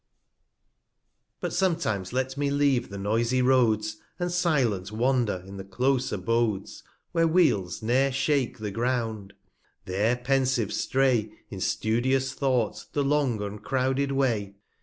But sometimes let me leave the noisie Roads, And silent wander in the close Abodes 150 Where Wheels ne'er shake the Ground; there pensive stray, In studious Thought, the long uncrouded Way.